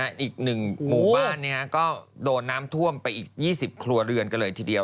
อีกหนึ่งหมู่บ้านก็โดนน้ำท่วมไปอีก๒๐ครัวเรือนกันเลยทีเดียว